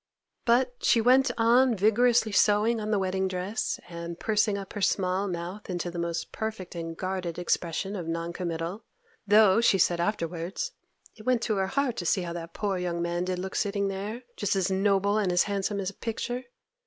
But she went on vigorously sewing on the wedding dress, and pursing up her small mouth into the most perfect and guarded expression of non committal, though, she said afterwards 'it went to her heart to see how that poor young man did look sitting there, just as noble and as handsome as a pictur'.